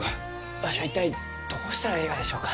わしは一体どうしたらえいがでしょうか？